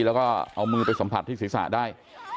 แล้วก็เอามือไปสัมผัสที่ศิษย์ศาสตร์ได้